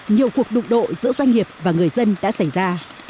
nhiều cuộc đụng độ giữa doanh nghiệp và người dân đã xảy ra